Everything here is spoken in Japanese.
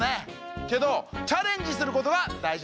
けどチャレンジすることがだいじなんだよ。